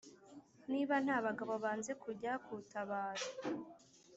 niba ntabagabo banze kujya kutabaro"